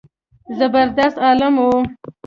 زبردست عالم و.